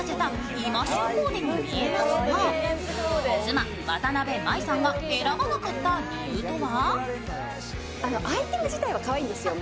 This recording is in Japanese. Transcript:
今旬コーデに見えますが、妻、わたなべ麻衣さんが選ばなかった理由とは？